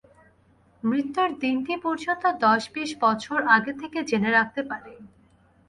মৃত্যুর দিনটি পর্যন্ত দশ বিশ বছর আগে থেকে জেনে রাখতে পারে।